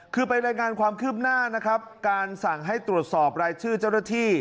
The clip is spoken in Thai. คือไปรายงานความคืบหน้านะครับการสั่งให้ตรวจสอบรายชื่อเจ้าหน้าที่